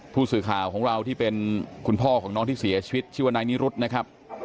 ผู้สื่อข่าวของเราที่เป็นคุณพ่อของน้องที่เสียชีวิตชื่อว่านายนิรุธนะครับ